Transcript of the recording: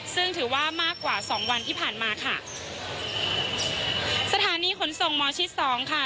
ซึ่งถือว่ามากกว่าสองวันที่ผ่านมาค่ะสถานีขนส่งหมอชิดสองค่ะ